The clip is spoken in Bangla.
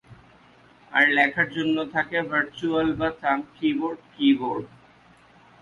আর লেখার জন্য থাকে ভার্চুয়াল বা থাম্ব কীবোর্ড কি-বোর্ড।